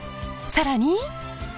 更に。